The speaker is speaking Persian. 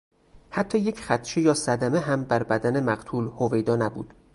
حتی یک خدشه یا صدمه هم بر بدن مقتول هویدا نبود.